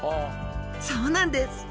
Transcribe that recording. そうなんです。